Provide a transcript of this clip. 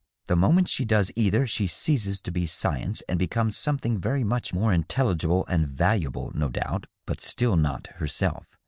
The moment she does either she ceases to be science and becomes something very much more intelligible and valuable, no doubt, but still not herself.